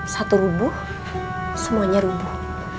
satu rubuh semuanya rubuh